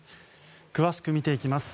詳しく見ていきます。